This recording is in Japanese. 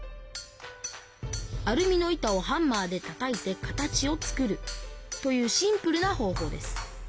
アルミの板をハンマーでたたいて形を作るというシンプルな方法です。